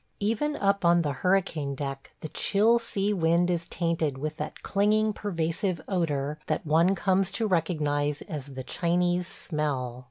Even up on the hurricane deck the chill sea wind is tainted with that clinging, pervasive odor that one comes to recognize as "the Chinese smell."